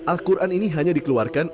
al quran ini hanya dikeluarkan